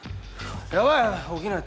やばい！